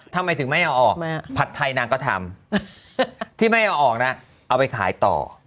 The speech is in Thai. ทำไมถึงไม่เอาออกผัดไทยนางก็ทำที่ไม่เอาออกนะเอาไปขายต่อ